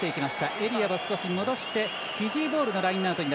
エリアを戻してフィジーボールのラインアウト。